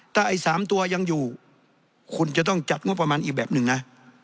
ถ้าไอ้๓ตัวยังอยู่คุณจะต้องจัดงบประมาณอีกแบบหนึ่งนะ